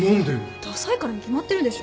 ダサいからに決まってるでしょ。